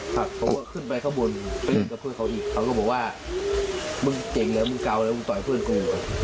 ผมก็ขึ้นไปข้างบนไปเล่นกับเพื่อนเขาอีกเขาก็บอกว่ามึงเจ๋งเหรอมึงเกาแล้วมึงต่อยเพื่อนกู